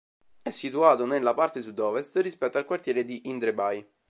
È situato nella parte sud-ovest rispetto al quartiere di Indre By.